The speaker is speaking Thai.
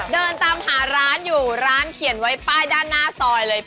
เดินตามหาร้านอยู่ร้านเขียนไว้ป้ายด้านหน้าซอยเลย